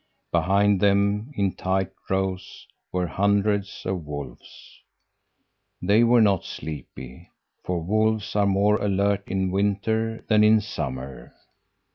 Behind them, in tight rows, were hundreds of wolves. They were not sleepy, for wolves are more alert in winter than in summer.